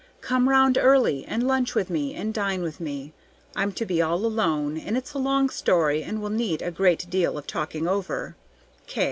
Come round early, and lunch with me and dine with me. I'm to be all alone, and it's a long story and will need a great deal of talking over.